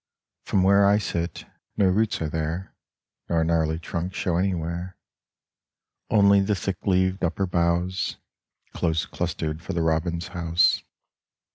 From where I sit, no roots are there Nor gnarly trunks show anywhere : Only the thick leaved upper boughs Close clustered for the robin's house.